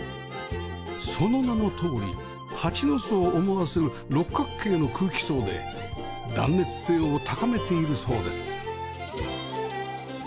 その名のとおり蜂の巣を思わせる六角形の空気層で断熱性を高めているそうです